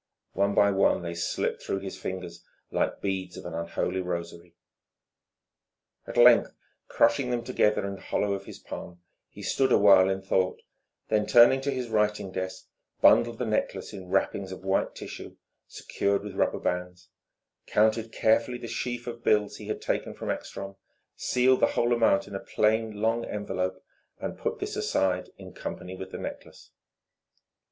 One by one they slipped through his fingers like beads of an unholy rosary. At length, crushing them together in the hollow of his palm, he stood a while in thought, then turning to his writing desk bundled the necklace in wrappings of white tissue secured with rubber bands, counted carefully the sheaf of bills he had taken from Ekstrom, sealed the whole amount in a plain, long envelope, and put this aside in company with the necklace.